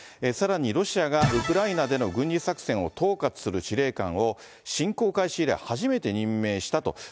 さらに、ロシアが、ウクライナでの軍事作戦を統括する司令官を侵攻開始以来、初めて任命したと。